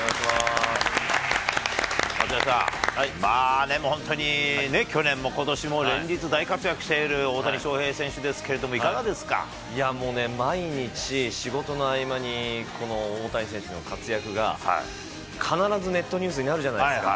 松也さん、本当に、去年もことしも連日大活躍している大谷翔平選手ですけれども、いや、もうね、毎日仕事の合間に、この大谷選手の活躍が、必ずネットニュースになるじゃないですか。